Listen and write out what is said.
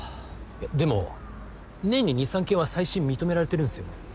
いやでも年に２３件は再審認められてるんすよね。